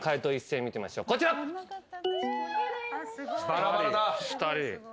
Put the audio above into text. バラバラだ。